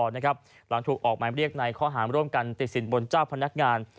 หลังถูกออกหมายเรียกในข้อหารร่วมกันติดสินบนเจ้าพนักงาน